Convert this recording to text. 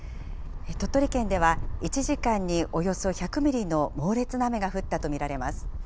鳥取県では１時間におよそ１００ミリの猛烈な雨が降ったと見られます。